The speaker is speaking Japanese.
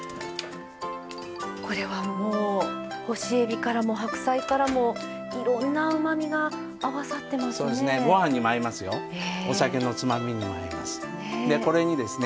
これは、もう干しえびからも白菜からも、いろんなうまみが合わさってますね。